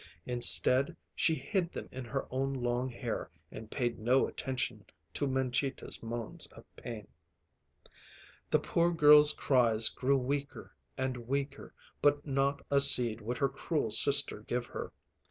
Instead, she hid them in her own long hair and paid no attention to Mangita's moans of pain. The poor girl's cries grew weaker and weaker, but not a seed would her cruel sister give her.